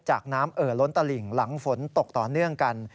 น้ำเอ่อล้นตลิ่งหลังฝนตกต่อเนื่องกัน